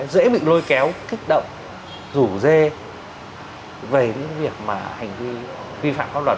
dễ bị lôi kéo kích động rủ dê về những việc mà hành vi vi phạm pháp luật